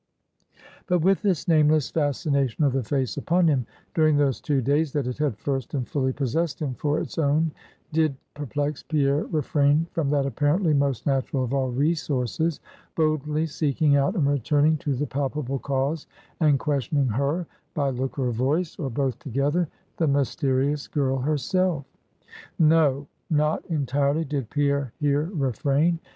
But with this nameless fascination of the face upon him, during those two days that it had first and fully possessed him for its own, did perplexed Pierre refrain from that apparently most natural of all resources, boldly seeking out, and returning to the palpable cause, and questioning her, by look or voice, or both together the mysterious girl herself? No; not entirely did Pierre here refrain.